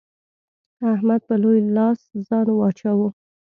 احمد په لوی لاس ځان واچاوو.